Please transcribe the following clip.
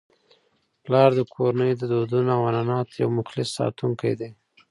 پلار د کورنی د دودونو او عنعناتو یو مخلص ساتونکی دی.